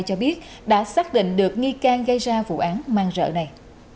cho biết đã xác định được nghi can gây ra vụ án man rợ này